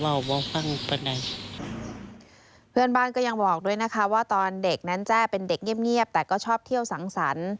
เพื่อนบ้านก็ยังบอกด้วยนะคะว่าตอนเด็กนั้นแจ้เป็นเด็กเงียบแต่ก็ชอบเที่ยวสังสรรค์